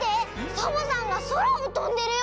サボさんがそらをとんでるよ！